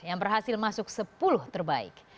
yang berhasil masuk sepuluh terbaik